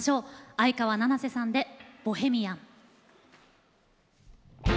相川七瀬さんで「ボヘミアン」。